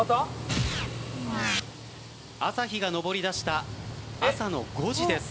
朝日が昇り出した朝の５時です。